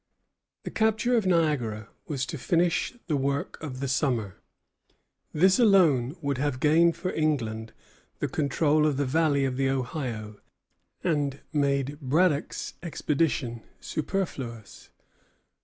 The capture of Niagara was to finish the work of the summer. This alone would have gained for England the control of the valley of the Ohio, and made Braddock's expedition superfluous.